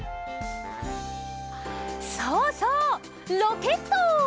そうそうロケット！